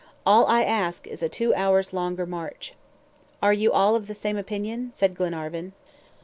All I ask is a two hours' longer march." "Are you all of the same opinion?" said Glenarvan.